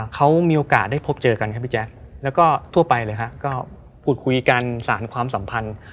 เขามีโอกาสได้พบเจอกันครับพี่แจ๊คแล้วก็ทั่วไปเลยฮะก็พูดคุยกันสารความสัมพันธ์